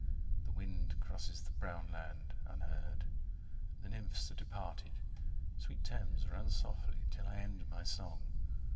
The wind Crosses the brown land, unheard. The nymphs are departed. Sweet Thames, run softly, till I end my song.